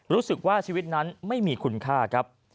รู้สึกว่าชีวิตนั้นไม่มีคุณค่าครับ